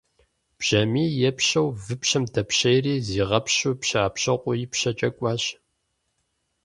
Бжьамий епщэу выпщэм дэпщейри, зигъэпщу Пщыӏэпщокъуэ ипщэкӏэ кӏуащ.